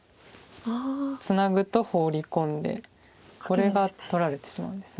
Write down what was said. ツナぐとホウリ込んでこれが取られてしまうんです。